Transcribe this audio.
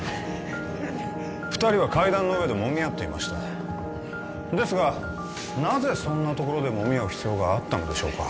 二人は階段の上でもみ合っていましたですがなぜそんな所でもみ合う必要があったのでしょうか？